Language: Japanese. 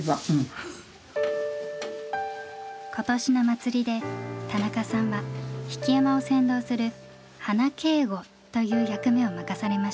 今年の祭りで田中さんは曳山を先導する花警固という役目を任されました。